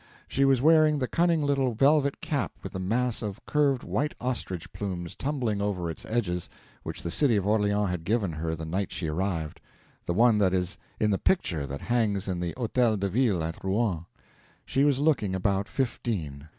She was wearing the cunning little velvet cap with the mass of curved white ostrich plumes tumbling over its edges which the city of Orleans had given her the night she arrived—the one that is in the picture that hangs in the Hotel de Ville at Rouen. She was looking about fifteen.